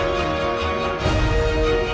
tante itu sudah berubah